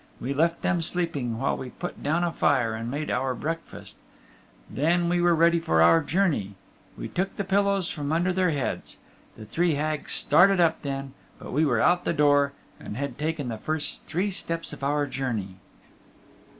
We left them sleeping while we put down a fire and made our break fast. Then, when we were ready for our journey, we took the pillows from under their heads. The three Hags started up then, but we were out on the door, and had taken the first three steps of our journey.